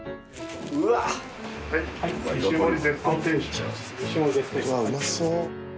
うわうまそう。